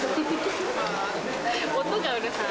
音がうるさい。